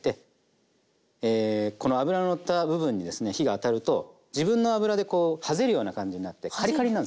えこの脂ののった部分にですね火が当たると自分の脂ではぜるような感じになってはぜる。